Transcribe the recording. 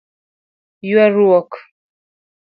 Yuaruok;